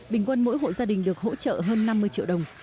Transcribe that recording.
bình quân mỗi hộ gia đình được hỗ trợ hơn năm mươi triệu đồng